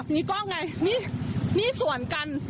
มิก้ออังไงนี่ส่วนกัน